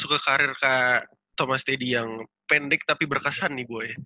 suka karir ke thomas teddy yang pendek tapi berkesan nih gue